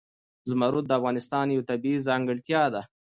زمرد د افغانستان یوه طبیعي ځانګړتیا ده.